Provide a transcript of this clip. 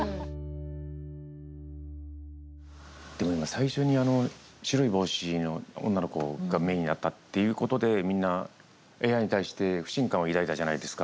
最初に「白いぼうし」の女の子がメインになったっていうことでみんなＡＩに対して不信感を抱いたじゃないですか。